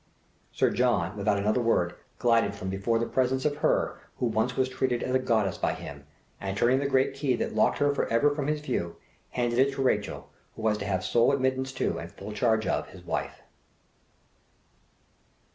Sir John, without another word, glided from before the presence of her who once was treated as a goddess by him, and turning the great key that locked her for ever from his view, handed it to Rachel, who was to have sole admittance to, and full charge of, his wife.